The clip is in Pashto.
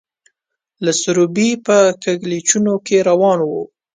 د سروبي په کږلېچونو کې روان وو.